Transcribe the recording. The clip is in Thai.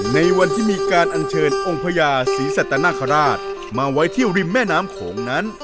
ในวันที่มีการอัญเชิญองค์พญาศรีสัตนคราชมาไว้ที่ริมแม่น้ำโขงนั้น